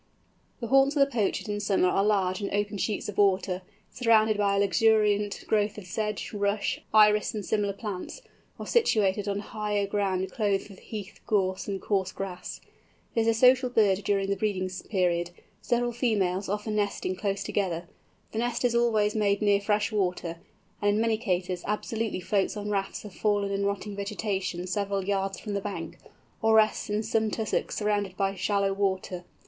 The haunts of the Pochard in summer are large and open sheets of water, surrounded by a luxuriant growth of sedge, rush, iris, and similar plants, or situated on higher ground clothed with heath, gorse, and coarse grass. It is a social bird during the breeding period, several females often nesting close together. The nest is always made near fresh water, and in many cases absolutely floats on rafts of fallen and rotting vegetation several yards from the bank, or rests in some tussock surrounded by shallow water.